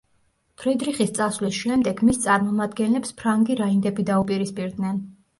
ფრიდრიხის წასვლის შემდეგ, მის წარმომადგენლებს ფრანგი რაინდები დაუპირისპირდნენ.